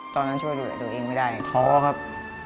ตอนนั้นช่วยดูแลตัวเองไม่ได้ท้อครับ